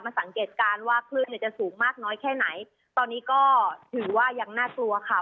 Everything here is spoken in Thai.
สังเกตการณ์ว่าคลื่นเนี่ยจะสูงมากน้อยแค่ไหนตอนนี้ก็ถือว่ายังน่ากลัวค่ะ